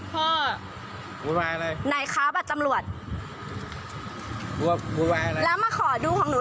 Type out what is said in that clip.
วุ่นวายอะไรไหนคะบัตรตำรวจโวยวายอะไรแล้วมาขอดูของหนู